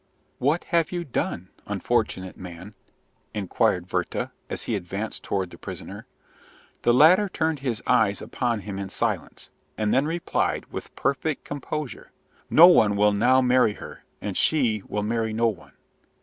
"What have you done, unfortunate man?" inquired Werther, as he advanced toward the prisoner. The latter turned his eyes upon him in silence, and then replied with perfect composure; "No one will now marry her, and she will marry no one."